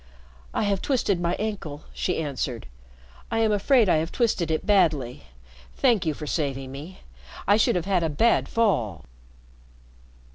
"I have twisted my ankle," she answered. "I am afraid I have twisted it badly. Thank you for saving me. I should have had a bad fall."